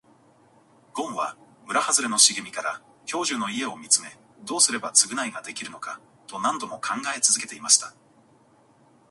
ごんは村はずれの茂みから兵十の家を見つめ、どうすれば償いができるのかと何度も考え続けていました。